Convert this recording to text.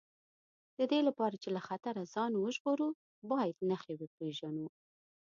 د دې لپاره چې له خطره ځان وژغورو باید نښې وپېژنو.